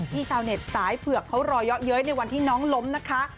ชาวเน็ตสายเผือกเขารอเยอะเย้ยในวันที่น้องล้มนะคะ